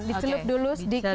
dicelup dulu sedikit